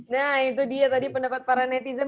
nah itu dia tadi pendapat para netizen